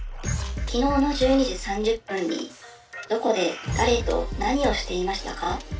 昨日の１２時３０分にどこで誰と何をしていましたか？